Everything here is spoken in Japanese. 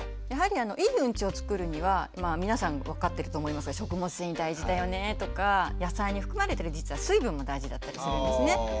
やはりいいウンチをつくるには皆さん分かってると思いますが食物繊維大事だよねとか野菜に含まれてる実は水分も大事だったりするんですね。